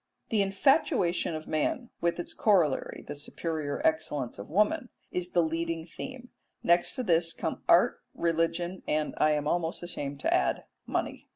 The infatuation of man, with its corollary, the superior excellence of woman, is the leading theme; next to this come art, religion, and, I am almost ashamed to add, money.